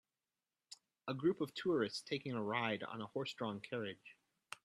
A group of tourists taking a ride on a horsedrawn carriage